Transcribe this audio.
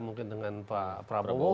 mungkin dengan pak prabowo